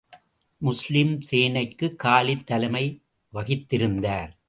முஸ்லிம் சேனைக்கு காலித் தலைமை வகித்திருந்தார்.